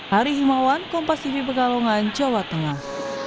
hari himawan kompas tv pekalongan jawa tengah